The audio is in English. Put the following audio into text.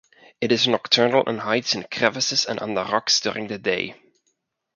It is nocturnal and hides in crevices and under rocks during the day.